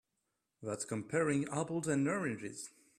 That's comparing apples and oranges.